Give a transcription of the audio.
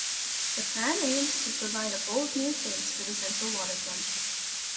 The plan aims to provide a bold new face for the central waterfront.